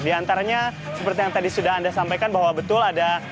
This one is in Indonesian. di antaranya seperti yang tadi sudah anda sampaikan bahwa betul ada